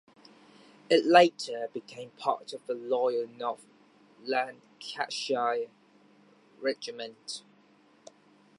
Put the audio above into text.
It later became part of the Loyal North Lancashire Regiment.